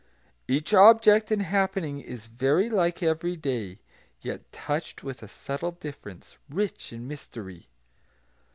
Each object and happening is very like everyday, yet touched with a subtle difference, rich in mystery.